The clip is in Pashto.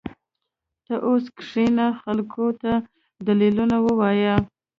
ته اوس کښېنه خلقو ته دليلونه ووايه.